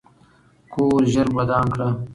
کور ژر ودان کړه.